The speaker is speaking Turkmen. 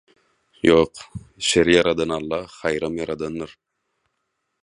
Ýok, şeri ýaradan Alla haýram ýaradandyr.